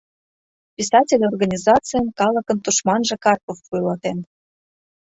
Писатель организацийым калыкын тушманже Карпов вуйлатен».